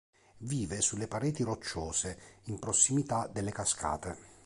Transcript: Vive sulle pareti rocciose, in prossimità delle cascate.